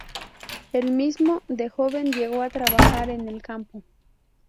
Él mismo, de joven, llegó a trabajar en el campo.